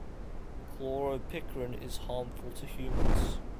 Chloropicrin is harmful to humans.